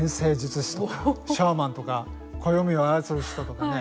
シャーマンとか暦を操る人とかね。